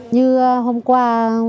như hôm qua